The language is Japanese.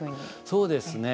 そうですね。